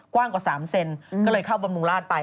กว้างกว่า๓เซนก็เลยเข้าบำรุงราชไป